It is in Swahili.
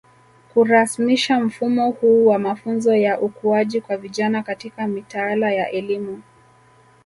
Kurasmisha mfumo huu wa mafunzo ya ukuaji kwa vijana katika mitaala ya elimu